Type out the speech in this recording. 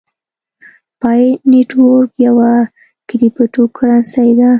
پای نیټورک یوه کریپټو کرنسۍ ده